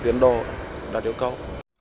tiến đo đạt yêu cầu